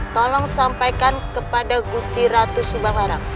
tolong sampaikan kepada gusti ratu subaharang